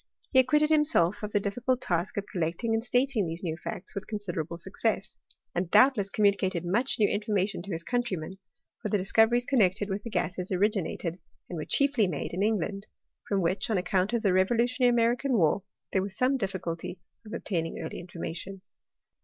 He acquitted himself of the difficult task of • Hilt, de TAcad. R. des Sciences, 1784, p. 24. 300 HISTOET OF CHEMISTRY. collecting and stating these new facts with consider able success ; and doubtless communicated much new information to his countrymen : for the discoyeries connected with the gases originated, and were chiefly made, in England, from which, on accoimt of the re volutionary American war, there was some difficulty of obtaining early information.